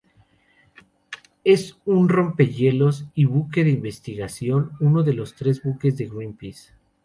Es un rompehielos, y buque de investigación, uno de los tres buques de Greenpeace.